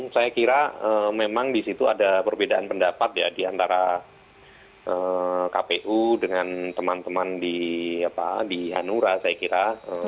saya kira memang di situ ada perbedaan pendapat ya diantara kpu dengan teman teman di hanura saya kira